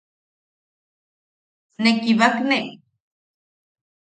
¿Ne kibakne?